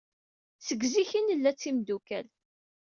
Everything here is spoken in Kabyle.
Seg zik ay nella d timeddukal.